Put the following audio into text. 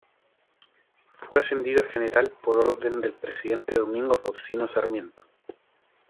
Fue ascendido a general por orden del presidente Domingo Faustino Sarmiento.